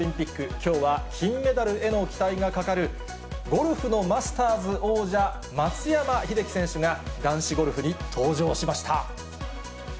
きょうは金メダルへの期待がかかる、ゴルフのマスターズ王者、松山英樹選手が男子ゴルフに登場しました。